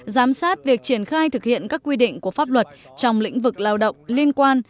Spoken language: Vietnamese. giám sát việc triển khai thực hiện các quy định của pháp luật trong lĩnh vực lao động liên quan